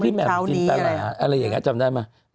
แหม่มจินตราอะไรอย่างนี้จำได้ไหม